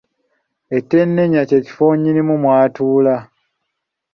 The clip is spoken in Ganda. Etenenya kye kifo nnyinimu mw’atuula.